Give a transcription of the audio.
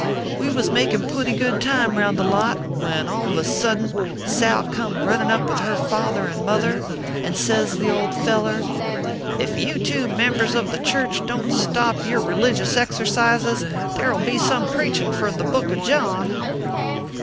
We was makin pooty good time round the lot, when, all of a suddint, Sal came running up with her father and mother ; and, sez the old feller : Ef you two members of the church don t stop your religious exercises, there ll be some preachin from the book of John.